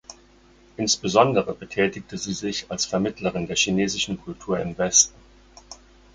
Insbesondere betätigte sie sich als Vermittlerin der chinesischen Kultur im Westen.